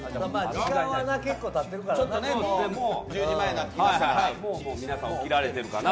時間は結構経ってるからな。